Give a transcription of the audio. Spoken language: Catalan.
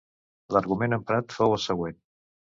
L'argument emprat fou el següent.